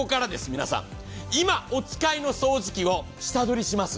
皆さん、今お使いの掃除機を下取りします。